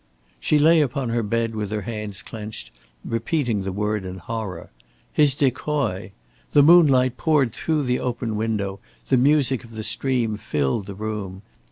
She lay upon her bed with her hands clenched, repeating the word in horror. His decoy! The moonlight poured through the open window, the music of the stream filled the room.